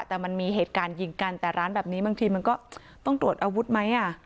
แต่มันมีเหตุการณ์ยิงกันแต่ร้านแบบนี้บางทีมันก็ต้องตรวจอาวุธไหม